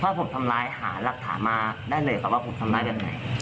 ถ้าผมทำร้ายหารักฐานมาได้เลยครับว่าผมทำร้ายแบบไหน